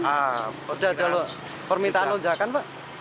sudah ada permintaan lonjakan pak